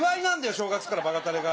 正月からバカたれが。